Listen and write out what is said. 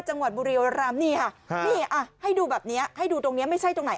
จังหวัดบุรีโยรัมเนี่ยให้ดูแบบนี้ให้ดูตรงนี้ไม่ใช่ตรงไหน